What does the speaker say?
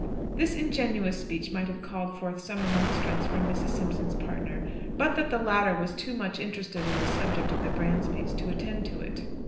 This ingenuous speech might have called forth some remonstrance from Mrs. Simpson's partner, but that the latter was too much interested in the subject of the Bransbys to attend to it.